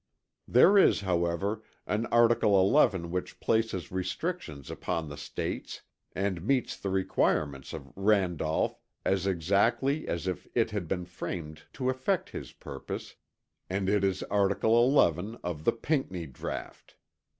There is, however, an article 11 which places restrictions upon the States, and meets the requirements of Randolph as exactly as if it had been framed to effect his purpose, and it is article 11 of the Pinckney draught.